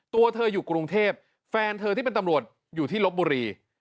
ตัวเธออยู่กรุงเทพแฟนเธอที่เป็นตำรวจอยู่ที่ลบบุรี